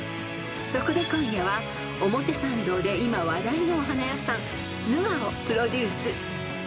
［そこで今夜は表参道で今話題のお花屋さんＮＵＲをプロデュース］